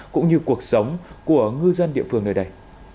cũng như cuộc sống của ngư dân địa phương nơi đây